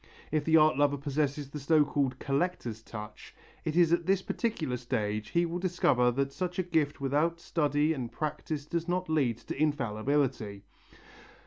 If the art lover possesses the so called collector's touch, it is at this particular stage he will discover that such a gift without study and practice does not lead to infallibility.